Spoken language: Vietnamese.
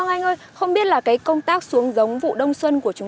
người dân quanh vùng đã bị lũ